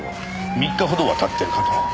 ３日ほどは経ってるかと。